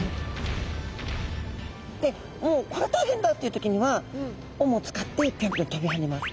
でもう「これは大変だ！」っていう時には尾も使ってぴょんぴょん飛び跳ねます。